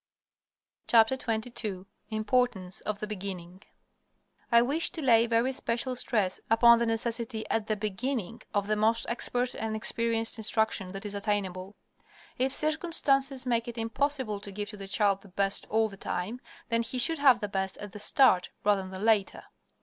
XXII IMPORTANCE OF THE BEGINNING I wish to lay very special stress upon the necessity at the beginning of the most expert and experienced instruction that is attainable. If circumstances make it impossible to give to the child the best all the time, then he should have the best at the start rather than later.